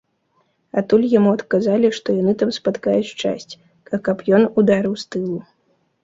Адтуль яму адказалі, што яны там спаткаюць часць, а каб ён ударыў з тылу.